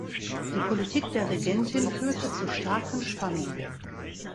Die Politik der Regentin führte zu starken Spannungen.